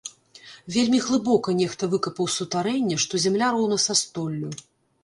Вельмі глыбока нехта выкапаў сутарэнне, што зямля роўна са столлю.